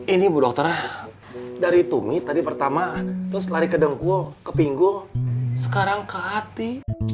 ini bu dokter dari tumi tadi pertama terus lari ke dengkuo ke pinggul sekarang ke hati